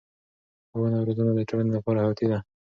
ښوونه او روزنه د ټولنې لپاره حیاتي ده.